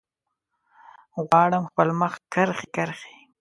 غواړم خپل مخ کرښې، کرښې